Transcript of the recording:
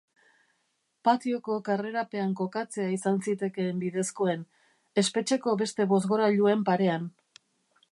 Patioko karrerapean kokatzea izan zitekeen bidezkoen, espetxeko beste bozgorailuen parean.